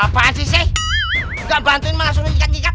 apaan sih sih gak bantuin mah langsung diikat nikat